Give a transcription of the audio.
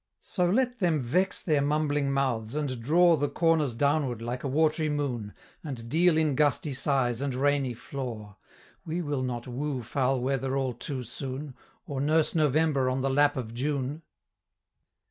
So let them vex their mumbling mouths, and draw The corners downward, like a wat'ry moon, And deal in gusty sighs and rainy flaw We will not woo foul weather all too soon, Or nurse November on the lap of June."